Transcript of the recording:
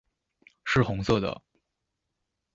是紅色的